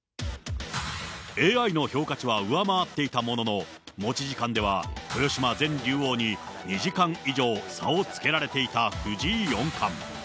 ＡＩの評価値は上回っていたものの、持ち時間では豊島前竜王に２時間以上差をつけられていた藤井四冠。